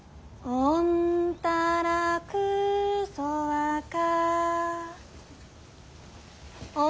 おんたらくそわか。